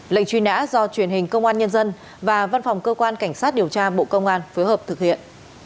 lệnh truy nã do truyền hình công an nhân dân và văn phòng cơ quan cảnh sát điều tra bộ công an phối hợp thực hiện